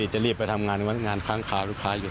จะรีบไปทำงานงานค้างคาลูกค้าอยู่